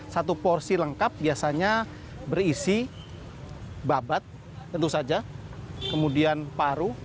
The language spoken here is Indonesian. satu porsi lengkap biasanya berisi babat tentu saja kemudian paru